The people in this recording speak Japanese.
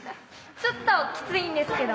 ちょっとキツいんですけど。